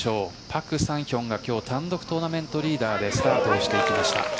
パク・サンヒョンが今日単独トーナメントリーダーでスタートしていきました。